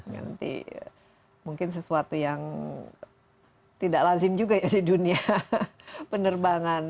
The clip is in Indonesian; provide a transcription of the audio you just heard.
nanti mungkin sesuatu yang tidak lazim juga ya di dunia penerbangan